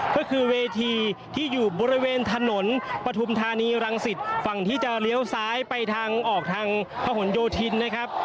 ก็คือเวทีที่อยู่บริเวณถนนปฐุมธานีรังสิตฝั่งที่จะเลี้ยวซ้ายไปทางออกทางพะหนโยธินนะครับ